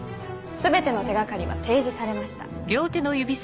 全ての手掛かりは提示されました。